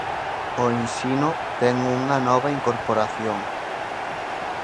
O Ensino ten unha nova incorporación.